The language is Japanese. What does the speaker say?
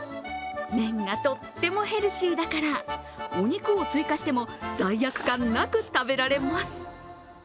麺がとってもヘルシーだからお肉を追加しても罪悪感なく食べられます。